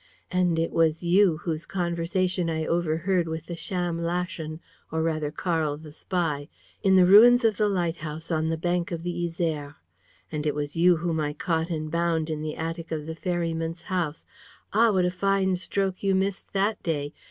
And it was you whose conversation I overheard with the sham Laschen, or rather Karl the spy, in the ruins of the lighthouse on the bank of the Yser. And it was you whom I caught and bound in the attic of the ferryman's house. Ah, what a fine stroke you missed that day!